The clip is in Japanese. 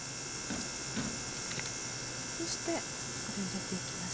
そしてこれを入れていきます。